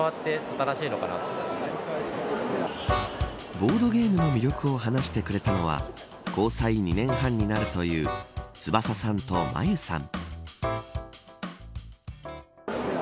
ボードゲームの魅力を話してくれたのは交際２年半になるという飛翔さんと真優さん。